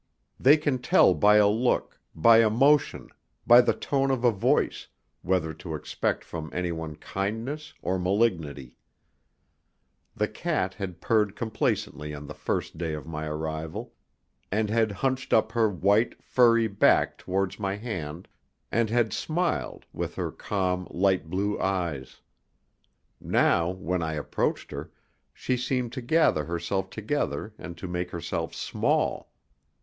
They can tell by a look, by a motion, by the tone of a voice, whether to expect from anyone kindness or malignity. The cat had purred complacently on the first day of my arrival, and had hunched up her white, furry back towards my hand, and had smiled with her calm, light blue eyes. Now, when I approached her, she seemed to gather herself together and to make herself small.